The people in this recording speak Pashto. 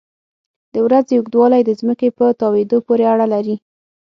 د ورځې اوږدوالی د ځمکې په تاوېدو پورې اړه لري.